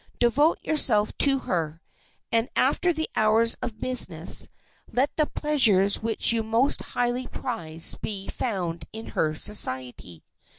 Devote yourself to her, and after the hours of business let the pleasures which you most highly prize be found in her society.